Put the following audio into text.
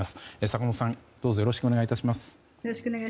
坂本さん、どうぞよろしくお願い致します。